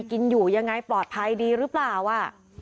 กินอยู่ยังไงปลอดภัยดีหรือเปล่าอ่ะ